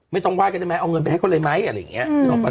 เอาเงินไปให้เขาอะไรไหมอะไรอย่างเงี้ย